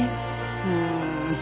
うん。